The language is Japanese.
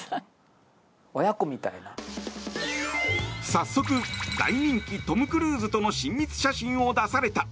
早速大人気トム・クルーズとの親密写真を出された！